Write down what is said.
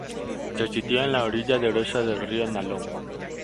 Se sitúa en la orilla derecha del río Nalón.